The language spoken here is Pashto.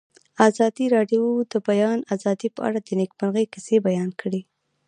ازادي راډیو د د بیان آزادي په اړه د نېکمرغۍ کیسې بیان کړې.